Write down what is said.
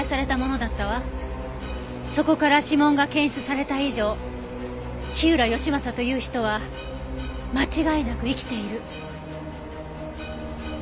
そこから指紋が検出された以上火浦義正という人は間違いなく生きている。